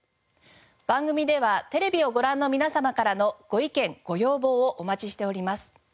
番組ではテレビをご覧の皆様からのご意見ご要望をお待ちしております。